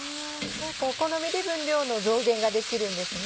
お好みで分量の増減ができるんですね。